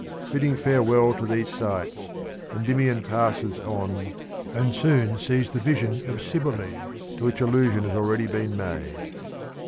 Bidding farewell to these sights Endymion passes cjbeio on and soon sees the vision of Cybele, to which allusion has already been made.